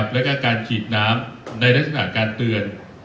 แล้วก็การฉีดน้ำในลักษณะการเตือน